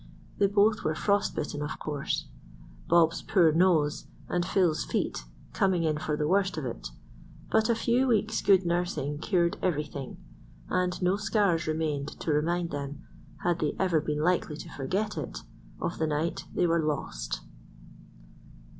They both were frost bitten, of course, Bob's poor nose and Phil's feet coming in for the worst of it; but a few weeks' good nursing cured everything, and no scars remained to remind them, had they ever been likely to forget it, of the night they were lost.